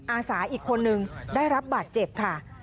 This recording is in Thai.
อาสาอีกคนนึงได้รับบาดเจ็บค่ะ